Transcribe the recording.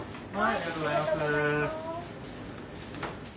・ありがとうございます。